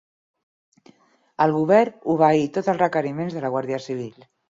El govern obeí tots els requeriments de la Guàrdia Civil